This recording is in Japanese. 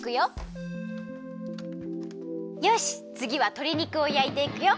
よしつぎはとり肉をやいていくよ。